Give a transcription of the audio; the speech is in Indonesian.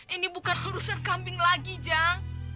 ini bukan urusan kambing lagi jang